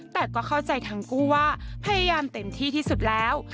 แต่ก็เข้าใจทั้งคู่ว่าพยายามเต็มที่ที่สุดแล้ว